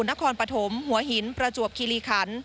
นครปฐมหัวหินประจวบคิริขัน